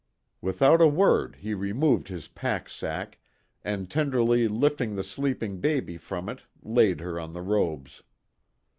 Without a word he removed his pack sack and tenderly lifting the sleeping baby from it laid her on the robes.